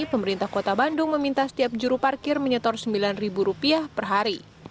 pemerintah kota bandung meminta setiap juru parkir menyetor sembilan rupiah per hari